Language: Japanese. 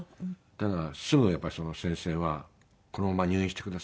ただすぐやっぱりその先生は「このまま入院してください」と。